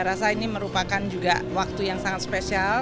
saya rasa ini merupakan juga waktu yang sangat spesial